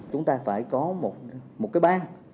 chúng ta phải có một cái bang